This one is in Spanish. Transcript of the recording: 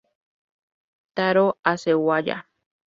Tarō Hasegawa